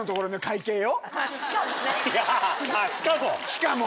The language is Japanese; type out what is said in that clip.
しかも。